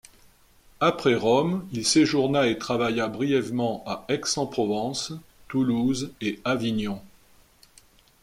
Après Rome, il séjourna et travailla brièvement à Aix-en-Provence, Toulouse et Avignon.